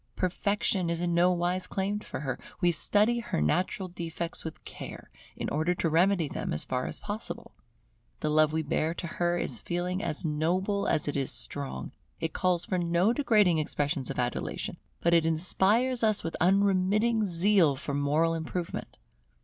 Perfection is in no wise claimed for her; we study her natural defects with care in order to remedy them as far as possible. The love we bear to her is a feeling as noble as it is strong; it calls for no degrading expressions of adulation, but it inspires us with unremitting zeal for moral improvement.